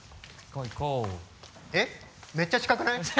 えっめっちゃ近くない？